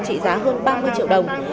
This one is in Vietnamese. trị giá hơn ba mươi triệu đồng